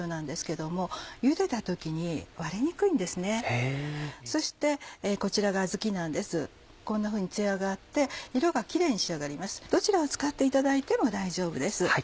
どちらを使っていただいても大丈夫です。